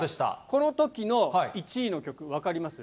このときの１位の曲、分かります？